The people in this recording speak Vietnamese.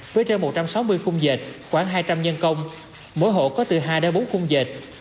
với trên một trăm sáu mươi khung dệt khoảng hai trăm linh nhân công mỗi hộ có từ hai đến bốn khung dệt